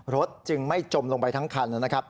รถจึงไม่จมลงไปทั้งคัน